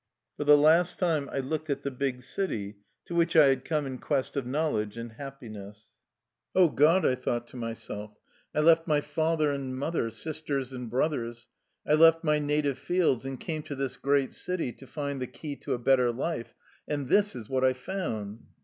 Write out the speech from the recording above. For the last time I looked at the big city to which I had come in quest of knowledge and hap piness. "Oh God!" I thought to myself, "I left my father and mother, sisters and brothers; I left my native fields, and came to this great city to find the key to a better life : and this is what I found!''